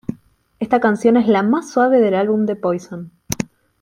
Esta canción es la más suave del álbum The Poison.